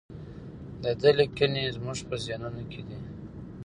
د ده لیکنې زموږ په ذهنونو کې دي.